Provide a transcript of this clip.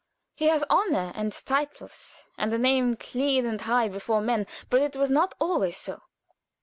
He has honor and titles, and a name clean and high before men, but it was not always so.